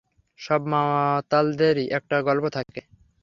সব মাতালদেরই একটা গল্প থাকে।